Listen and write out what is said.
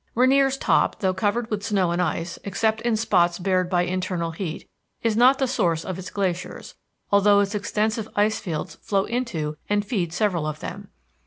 Rainier's top, though covered with snow and ice, except in spots bared by internal heat, is not the source of its glaciers, although its extensive ice fields flow into and feed several of them.